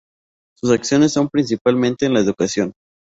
Sus acciones son principalmente en la educación.